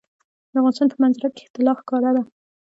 د افغانستان په منظره کې طلا ښکاره ده.